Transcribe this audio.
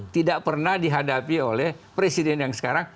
tidak pernah dihadapi oleh presiden yang sekarang